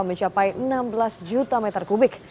mencapai enam belas juta meter kubik